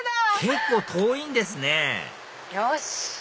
結構遠いんですねよし